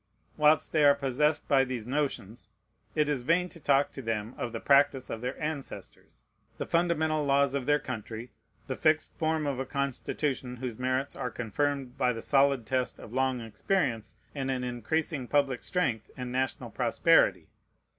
Whilst they are possessed by these notions, it is vain to talk to them of the practice of their ancestors, the fundamental laws of their country, the fixed form of a Constitution whose merits are confirmed by the solid test of long experience and an increasing public strength and national prosperity.